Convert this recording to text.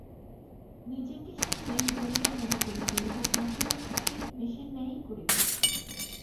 নিজেকে সে মেষ বলিয়া মনে করিত এবং আচরণও ঠিক মেষের ন্যায়ই করিত।